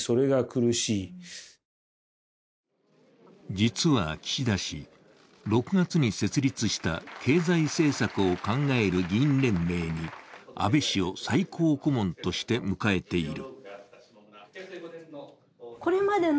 実は岸田氏、６月に設立した経済政策を考える議員連盟に安倍氏を最高顧問として迎えている。